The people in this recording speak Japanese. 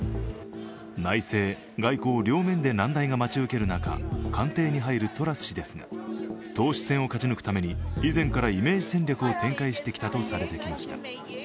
内政・外交両面で難題が待ち受ける中、官邸に入るトラス氏ですが党首選を勝ち抜くために以前からイメージ戦略を展開してきたとされてきました。